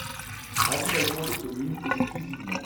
Ravitaillement des communes exclusivement.